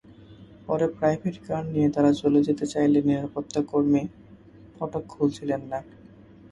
পরে private car নিয়ে তারা চলে যেতে চাইলে নিরাপত্তাকর্মী ফটক খুলছিলেন না।